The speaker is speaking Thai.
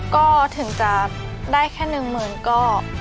ก็ถึงจะได้แค่๑หมื่นก็